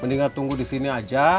mendingan tunggu di sini aja